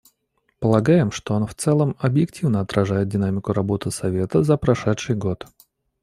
Полагаем, что он в целом объективно отражает динамику работы Совета за прошедший год.